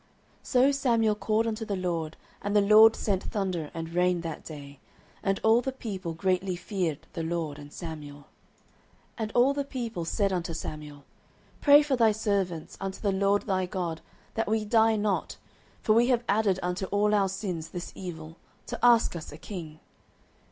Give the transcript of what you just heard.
09:012:018 So Samuel called unto the LORD; and the LORD sent thunder and rain that day: and all the people greatly feared the LORD and Samuel. 09:012:019 And all the people said unto Samuel, Pray for thy servants unto the LORD thy God, that we die not: for we have added unto all our sins this evil, to ask us a king.